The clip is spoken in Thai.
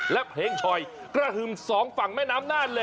และเพลงชอยกระหึ่มสองฝั่งแม่น้ำน่านเลย